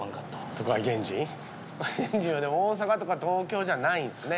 都会原人はでも大阪とか東京じゃないんですね。